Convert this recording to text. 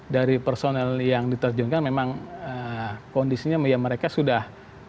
dari personel yang diterjunkan memang kondisinya mereka sudah